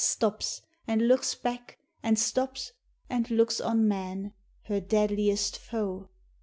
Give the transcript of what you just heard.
Stops, and looks back, and stops, and looks on man, Her deadliest foe.